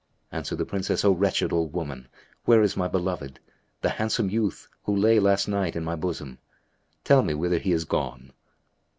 Answered the Princess, "O wretched old woman, where is my beloved, the handsome youth who lay last night in my bosom? Tell me whither he is gone."